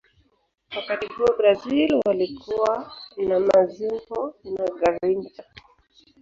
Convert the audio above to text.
Wakati huo brazil walikuwa na mazinho na garincha